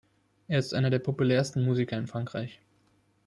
Er ist einer der populärsten Musiker in Frankreich.